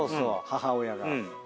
母親が。